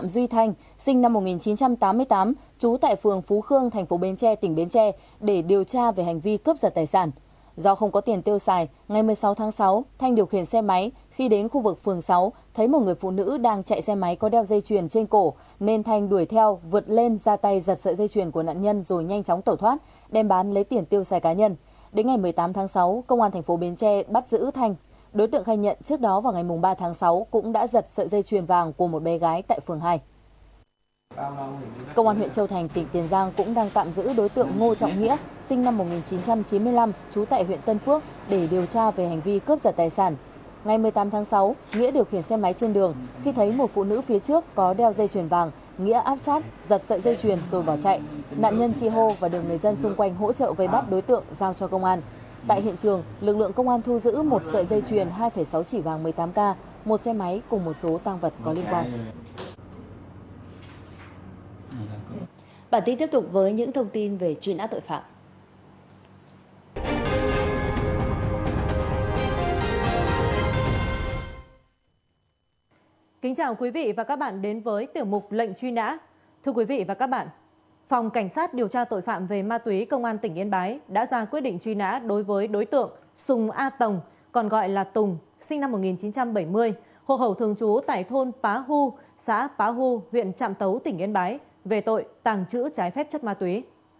đối với đối tượng sùng a tồng còn gọi là tùng sinh năm một nghìn chín trăm bảy mươi hộ hậu thường chú tại thôn pá hu xã pá hu huyện trạm tấu tỉnh yên bái về tội tàng trữ trái phép chất ma túy